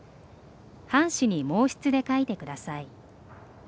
半紙に毛筆で書いてください。